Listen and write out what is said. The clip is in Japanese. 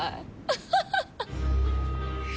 アハハハ！